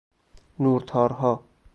نورتارها